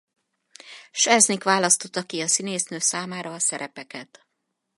Selznick választotta ki a színésznő számára a szerepeket.